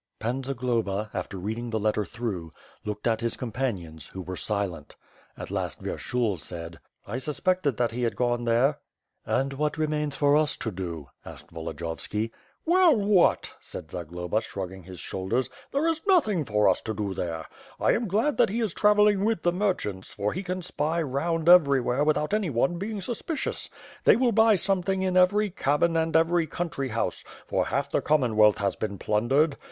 Pan Zagloba, after reading the letter through, looked at his companions, who were silent. At last, Vyershul said: "I suspected that he had gone there." "And what remains for us to do?" asked Volodiyovski. Well, what?" said Zagloba, shrugging his shoulders. "There is nothing for us to do there. I am glad that he is travelling with the merchants, for he can spy round every where without any one being suspicious. They will buy some thing in every cabin and every country house, for half the Commonwealth has been plundered.